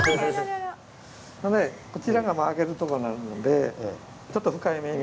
こちらがあげるとこになるのでちょっと深いめに。